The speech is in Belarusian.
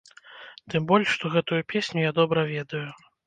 Тым больш, што гэтую песню я добра ведаю.